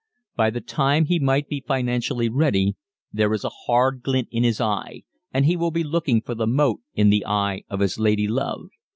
By the time he might be financially ready there is a hard glint in his eye, and he will be looking for the mote in the eye of his lady love.